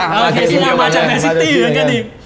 เคซุสมาจากแม่ซิกตี้เหมือนกันดิ